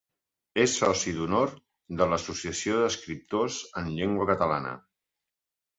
És soci d'honor de l'Associació d'Escriptors en Llengua Catalana.